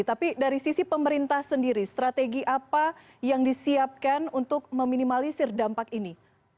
tapi dari sisi pemerintah sendiri strategi apa yang disiapkan untuk meminimalisir dampak ini